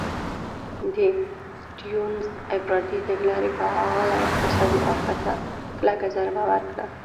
د سټیونز افراطي تګلارې فعاله اقتصادي برخه ته کلکه ضربه ورکړه.